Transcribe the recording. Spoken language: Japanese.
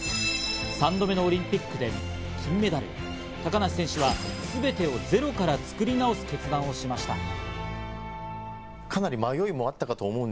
３度目のオリンピックで金メダルへ、高梨選手はすべてをゼロから作り直す決断をしました。